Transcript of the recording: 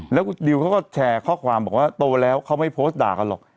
แล้วคุณดิวเขาก็แชร์ข้อความบอกว่าโตแล้วเขาไม่โพสต์ด่ากันหรอก